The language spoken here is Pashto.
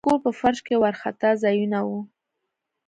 د کور په فرش کې وارخطا ځایونه وو.